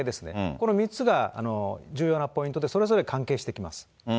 この３つが重要なポイントで、それぞれ関係してきます。